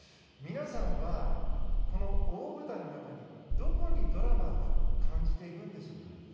皆さんは、この大舞台の中にどこにドラマを感じていくんでしょうか。